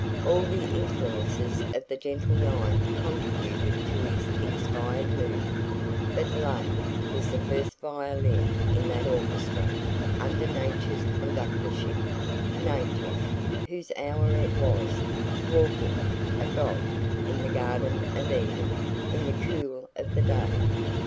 All the influences of the gentle night contributed to his inspired mood, but Love was the first violin in that orchestra under Nature's conductorship Nature, whose hour it was, walking, a god, in the Garden of Eden in the cool of the day.